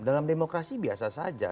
dalam demokrasi biasa saja